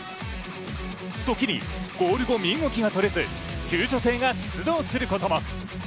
時にゴール後、身動きができず救助艇が出動することも。